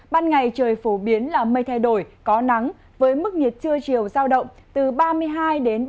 ban ngày trời phổ biến là mây thay đổi có nắng với mức nhiệt trưa chiều giao động từ ba mươi hai đến ba mươi